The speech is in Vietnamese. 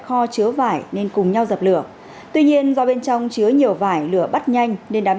kho chứa vải nên cùng nhau dập lửa tuy nhiên do bên trong chứa nhiều vải lửa bắt nhanh nên đám